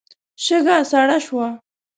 شګه سړه شوه.